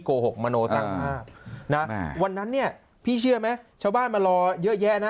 โกหกมโนช่างภาพนะวันนั้นเนี่ยพี่เชื่อไหมชาวบ้านมารอเยอะแยะนะ